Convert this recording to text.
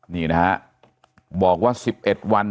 นี่นะฮะบอกว่า๑๑วัน